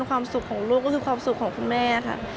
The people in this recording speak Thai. ความสุขของลูกก็คือความสุขของคุณแม่ค่ะ